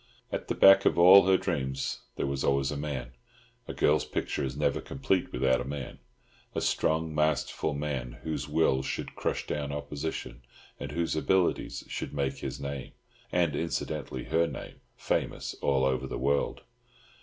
At the back of all her dreams there was always a man—a girl's picture is never complete without a man—a strong, masterful man, whose will should crush down opposition, and whose abilities should make his name—and incidentally her name—famous all over the world.